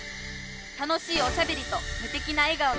「『た』のしいおしゃべりとむてきなえがおのメ『イ』」！